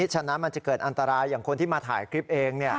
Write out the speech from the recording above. ฉะนั้นมันจะเกิดอันตรายอย่างคนที่มาถ่ายคลิปเอง